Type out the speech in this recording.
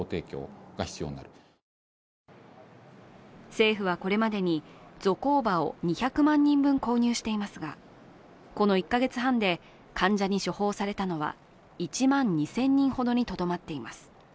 政府はこれまでにゾコーバを２００万人分購入していますが、この１か月半で患者に処方されたのは１万２０００人ほどにとどまっています